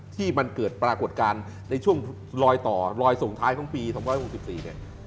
ที่มันเกิดปรากฏการณ์ในช่วงลอยต่อรอยส่งท้ายของปี๒๖๔เนี่ย